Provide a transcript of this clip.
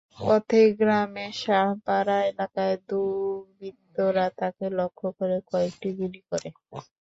পথে গ্রামের শাহপাড়া এলাকায় দুর্বৃত্তরা তাঁকে লক্ষ্য করে কয়েকটি গুলি করে।